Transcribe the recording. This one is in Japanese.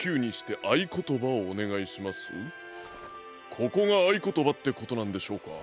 ここがあいことばってことなんでしょうか？